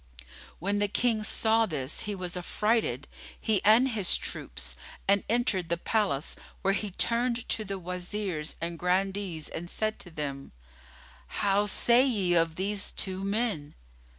When the King saw this, he was affrighted, he and his troops, and entered the palace, where he turned to the Wazirs and Grandees and said to them, "How say ye of these two men?"